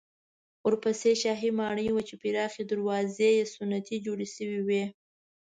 ورپسې شاهي ماڼۍ وه چې پراخې دروازې یې ستنې جوړې شوې وې.